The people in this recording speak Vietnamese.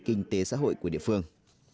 kinh tế xã hội của địa phương